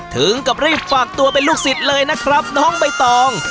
ถึงกับรีบฝากตัวเป็นลูกศิษย์เลยนะครับน้องใบตอง